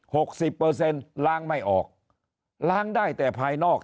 สิบเปอร์เซ็นต์ล้างไม่ออกล้างได้แต่ภายนอก